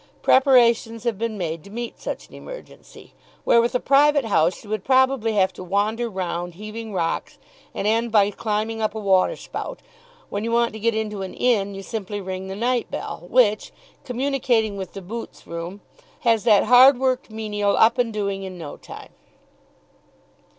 Preparations have been made to meet such an emergency. Where with a private house you would probably have to wander round heaving rocks and end by climbing up a water spout, when you want to get into an inn you simply ring the night bell, which, communicating with the boots' room, has that hard worked menial up and doing in no time.